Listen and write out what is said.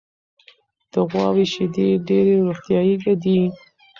د غواوو شیدې ډېرې روغتیایي دي.